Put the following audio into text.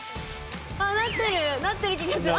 あ、なってる、なってる気がする。